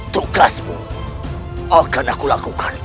tugasmu akan aku lakukan